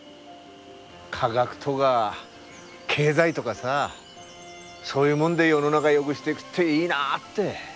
科学とか経済とかさそういうもんで世の中よぐしていぐっていいなって。